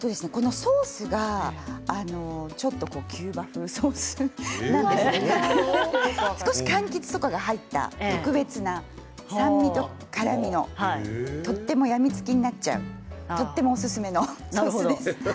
ソースがちょっとキューバ風ソースで少しかんきつが入った特別な酸味と辛みのとても病みつきになっちゃう、とてもおすすめのソースです。